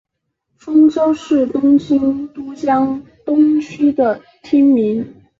丰洲是东京都江东区的町名。